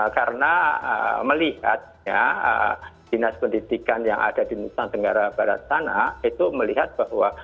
karena melihatnya dinas pendidikan yang ada di nusa tenggara barat sana itu melihat bahwa